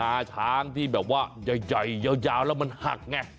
งาช้างที่้เยาแล้วมันหัก